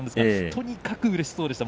とにかくうれしそうでした。